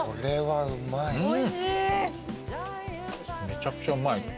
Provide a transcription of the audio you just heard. めちゃくちゃうまいな。